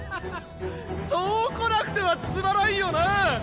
そうこなくてはつまらんよなぁ！